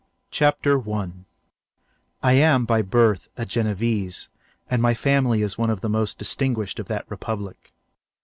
Chapter 1 I am by birth a Genevese, and my family is one of the most distinguished of that republic.